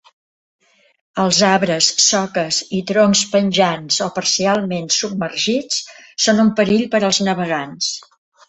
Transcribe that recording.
Els arbres, soques i troncs penjants o parcialment submergits són un perill per als navegants.